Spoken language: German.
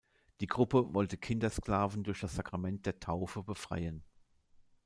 Die Gruppe wollte Kinder-Sklaven durch das Sakrament der Taufe befreien.